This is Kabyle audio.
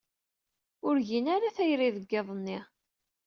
Ur gin ara tayri deg yiḍ-nni.